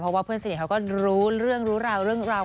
เพราะว่าเพื่อนเสนียเขาก็รู้เรื่องรู้ราว